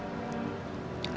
lu boleh bete sama gue